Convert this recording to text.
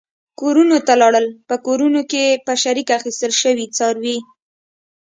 کورونو ته لاړل، په کورونو کې په شریکه اخیستل شوي څاروي.